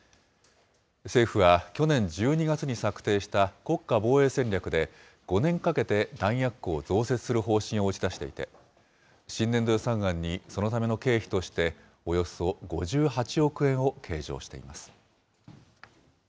政府は去年１２月に策定した国家防衛戦略で、５年かけて弾薬庫を増設する方針を打ち出していて、新年度予算案にそのための経費として、およそ５８億円を計上しています。